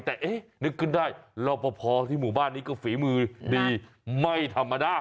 แต่เอ๊ะนึกขึ้นได้รอปภที่หมู่บ้านนี้ก็ฝีมือดีไม่ธรรมดา